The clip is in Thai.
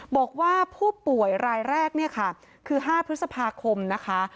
บอกว่าผู้ป่วยรายแรกเนี่ยค่ะคือ๕พฤษภาคมนะคะ